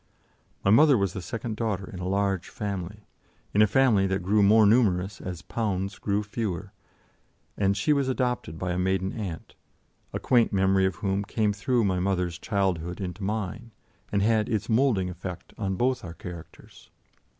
My mother was the second daughter in a large family, in a family that grew more numerous as pounds grew fewer, and she was adopted by a maiden aunt, a quaint memory of whom came through my mother's childhood into mine, and had its moulding effect on both our characters.